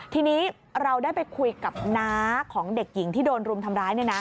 ทีนี้เราได้ไปคุยกับน้าของเด็กหญิงที่โดนรุมทำร้าย